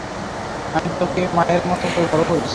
আমি তোকে মায়ের মতো করে বড় করেছি।